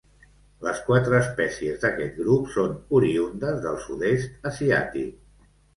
Les quatre espècies d'aquest grup són oriündes del sud-est asiàtic.